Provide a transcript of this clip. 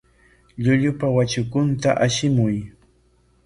Llullupa watrakunta ashimuy.